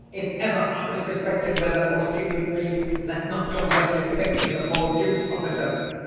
If ever I was respected with her, or she with me, let not your worship think me the poor duke's officer.